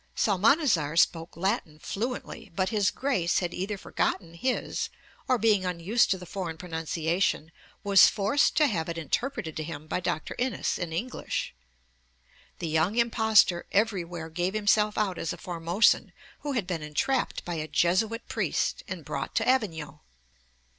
Psalmanazar spoke Latin fluently, but 'his Grace had either forgotten his, or being unused to the foreign pronunciation was forced to have it interpreted to him by Dr. Innes in English' (p. 178). The young impostor everywhere gave himself out as a Formosan who had been entrapped by a Jesuit priest, and brought to Avignon.